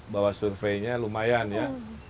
bahwa surveinya lumayan ya